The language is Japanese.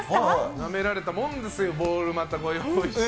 なめられたもんですよ、ボール、またこういうふうにして。